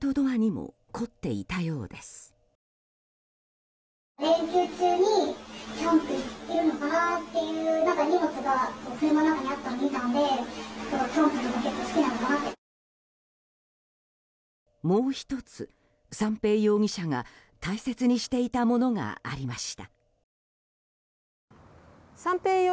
もう１つ、三瓶容疑者が大切にしていたものがあります。